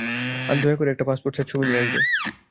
আর দয়া করে একটা পাসপোর্ট সাইজ ছবি নিয়ে আসবে।